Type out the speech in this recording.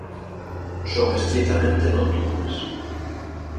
Son estritamente nocturnas.